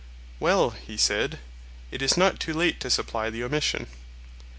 Well, he said, it is not too late to supply the omission.